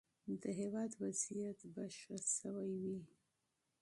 د هیواد وضعیت به ښه شوی وي.